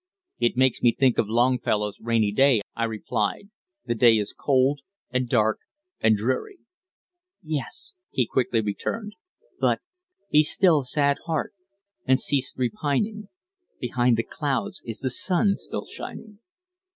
"It makes me think of Longfellow's 'Rainy Day,"' I replied. "'The day is cold, and dark, and dreary.'" "Yes," he quickly returned; "but "'Be still, sad heart, and cease repining; Behind the clouds is the sun still shining.'"